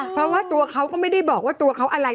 เพราะว่าตัวเขาก็ไม่ได้บอกว่าตัวเขาอะไร